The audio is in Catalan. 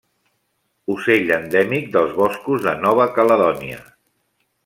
Ocell endèmic dels boscos de Nova Caledònia.